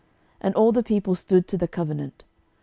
And all the people stood to the covenant.